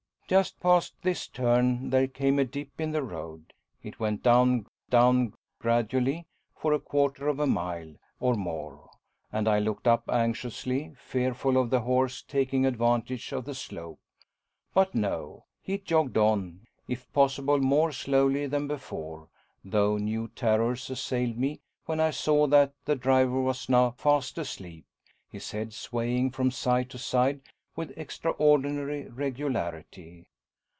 Just past this turn there came a dip in the road. It went down, down gradually, for a quarter of a mile or more, and I looked up anxiously, fearful of the horse taking advantage of the slope. But no, he jogged on, if possible more slowly than before, though new terrors assailed me when I saw that the driver was now fast asleep, his head swaying from side to side with extraordinary regularity.